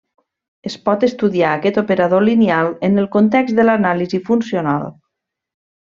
Es pot estudiar aquest operador lineal en el context de l'anàlisi funcional.